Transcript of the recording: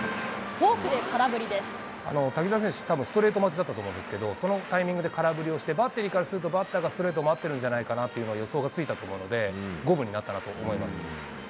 滝澤選手、たぶんストレート待ちだったと思うんですけど、そのタイミングで空振りをしてバッテリーからすると、バッターがストレートを待ってるんじゃないかなというの予想がついたと思うので、五分になったなと思います。